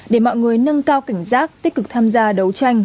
để mọi người nâng cao cảnh giác tích cực tham gia đấu tranh